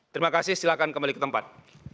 terima kasih silahkan kembali ke tempat